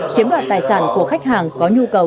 chiếm đoạt tài sản của khách hàng có nhu cầu